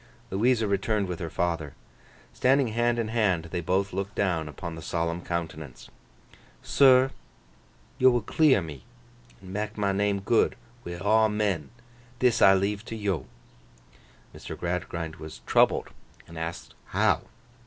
Louisa returned with her father. Standing hand in hand, they both looked down upon the solemn countenance. 'Sir, yo will clear me an' mak my name good wi' aw men. This I leave to yo.' Mr. Gradgrind was troubled and asked how?